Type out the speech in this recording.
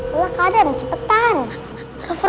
udah kadang kadang cepetan